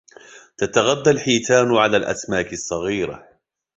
تتغذى الحيتان على الأسماك الصغيرة.